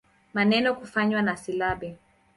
Maneno kufanywa na silabi.